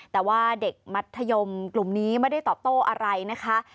แต่ว่าเด็กมัธยมกลุ่มนี้ไม่ได้ตอบโต้อะไรนะคะ